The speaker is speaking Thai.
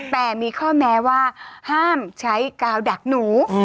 แต่มีข้อแม้ว่าห้ามใช้กาวดักหนู